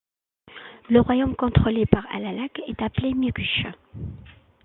Le royaume contrôlé par Alalakh est appelé Mukish.